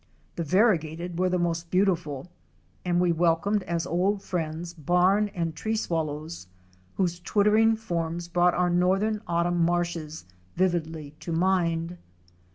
The Variegated" were the most beautiful, and we THE LIFE OF THE ABARY SAVANNAS. 379 welcomed as old friends Barn™ and Tree Swallows,! whose twittering forms brought our northern autumn marshes vividly to mind.